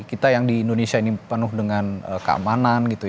kita yang di indonesia ini penuh dengan keamanan kenyamanan kadang masih kurang bersyukur